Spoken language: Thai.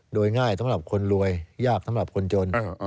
โดยง่ายสำหรับคนรวยยากสำหรับคนจน